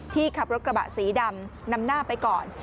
ขับรถกระบะสีดำนำหน้าไปก่อน